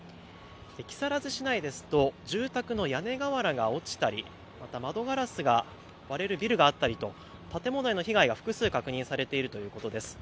木更津市内ですと住宅の屋根瓦が落ちたり、また窓ガラスが割れるビルがあったりと建物への被害が複数確認されているということです。